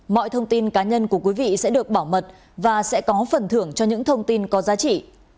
mọi thông tin cá nhân của quý vị sẽ được bảo mật và sẽ có phần thưởng cho những thông tin có giá trị